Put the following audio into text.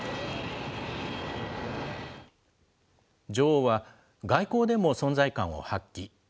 女王は外交でも存在感を発揮。